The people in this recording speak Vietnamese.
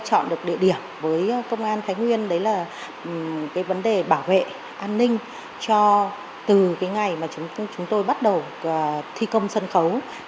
chọn được địa điểm với công an thái nguyên đấy là cái vấn đề bảo vệ an ninh cho từ cái ngày mà chúng tôi bắt đầu thi công sân khấu